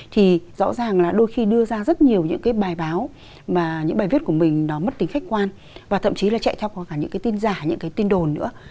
thì rõ ràng là đôi khi đưa ra rất nhiều những cái bài báo mà những bài viết của mình nó mất tính khách quan và thậm chí là chạy theo có cả những cái tin giả những cái tin đồn nữa